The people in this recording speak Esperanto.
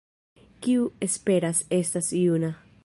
Kiu esperas, estas juna.